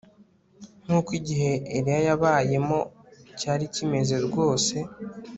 nkuko igihe Eliya yabayemo cyari kimeze rwose